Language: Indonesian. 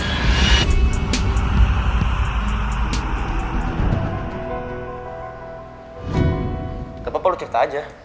gak apa apa lu cerita aja